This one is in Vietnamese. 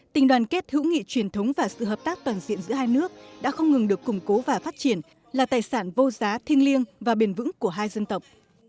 tình đoàn kết hữu nghị truyền thống và sự hợp tác toàn diện giữa hai nước đã không ngừng được củng cố và phát triển là tài sản vô giá thiêng liêng và bền vững của hai dân tộc